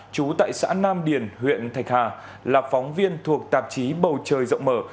chú tại xã nam điền huyện thạch hà là phóng viên thuộc tạp chí bầu trời rộng mở